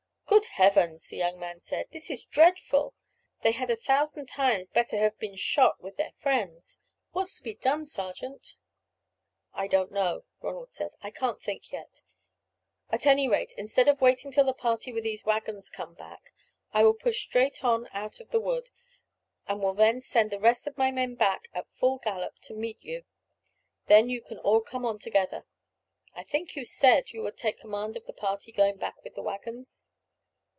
"Good Heavens!" the young man said, "this is dreadful; they had a thousand times better have been shot with their friends. What's to be done, sergeant?" "I don't know," Ronald said, "I can't think yet. At any rate, instead of waiting till the party with these waggons come back, I will push straight on out of the wood, and will then send the rest of my men back at full gallop to meet you, then you can all come on together. I think you said you would take command of the party going back with the waggons."